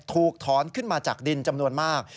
ถูกถอนขึ้นมาจากดินจำนวนมาก